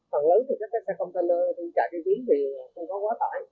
phần lớn thì các xe container chạy đi kiến thì không có quá tải